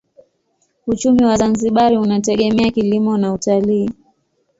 Uchumi wa Zanzibar unategemea kilimo na utalii.